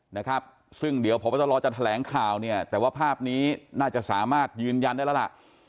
นะครับซึ่งเดี๋ยวพบตรจะแถลงข่าวเนี่ยแต่ว่าภาพนี้น่าจะสามารถยืนยันได้แล้วล่ะ